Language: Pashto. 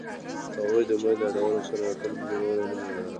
هغوی د امید له یادونو سره راتلونکی جوړولو هیله لرله.